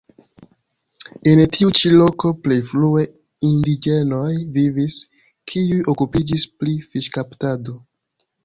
En tiu ĉi loko plej frue indiĝenoj vivis, kiuj okupiĝis pri fiŝkaptado.